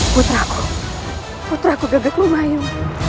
putraku putraku gagak lumayan